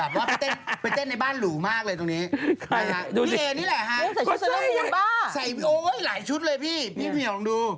อ๋อเหรอพี่มีตัวลองดู